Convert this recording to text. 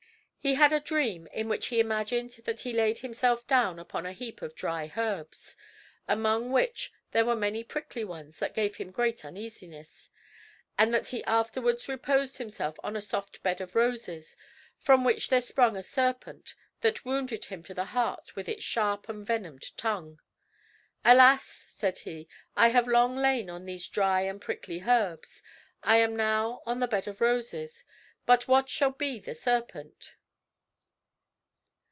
He had a dream in which he imagined that he laid himself down upon a heap of dry herbs, among which there were many prickly ones that gave him great uneasiness, and that he afterwards reposed himself on a soft bed of roses from which there sprung a serpent that wounded him to the heart with its sharp and venomed tongue. "Alas," said he, "I have long lain on these dry and prickly herbs, I am now on the bed of roses; but what shall be the serpent?"